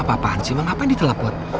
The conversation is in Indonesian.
ma apaan sih emang apaan di telpon